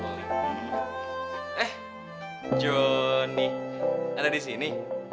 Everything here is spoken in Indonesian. eh jonny ada di sini